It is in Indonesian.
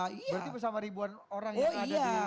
berarti bersama ribuan orang yang ada di depan istana ya